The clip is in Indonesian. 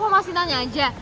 oh maksudnya aja